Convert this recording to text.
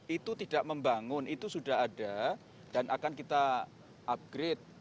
itu tidak membangun itu sudah ada dan akan kita upgrade